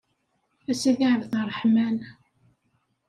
A Sidi Ɛebderreḥman.